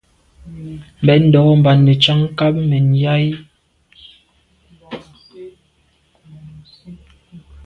Mbèn ndo’ mba netsham nka menya yi.